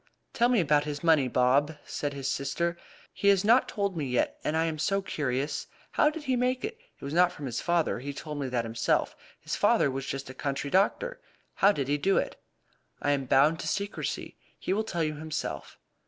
"But tell me about his money, Bob," said his sister. "He has not told me yet, and I am so curious. How did he make it? It was not from his father; he told me that himself. His father was just a country doctor. How did he do it?" "I am bound over to secrecy. He will tell you himself."